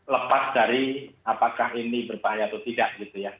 lepas dari apakah ini berbahaya atau tidak gitu ya